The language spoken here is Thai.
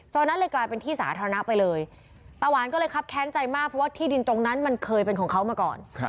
นั้นเลยกลายเป็นที่สาธารณะไปเลยตาหวานก็เลยครับแค้นใจมากเพราะว่าที่ดินตรงนั้นมันเคยเป็นของเขามาก่อน